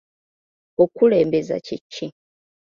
Okuleebeza kye ki?